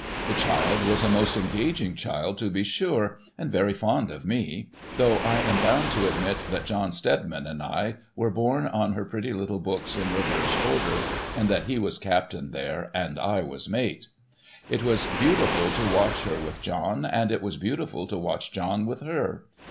The child was a most engaging child, to be sure, and very fond of me : though I am bound to admit that John Steadiman and I were borne on her pretty little books in reverse order, and that he was captain there, and I was mate. It was beautiful to watch her with John, and it was beautiful to watch John with her.